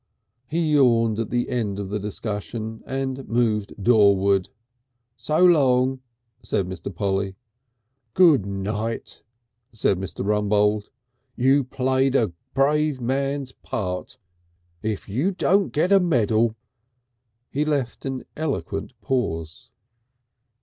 He yawned at the end of the discussion, and moved doorward. "So long," said Mr. Polly. "Good night," said Mr. Rumbold. "You played a brave man's part! If you don't get a medal " He left an eloquent pause.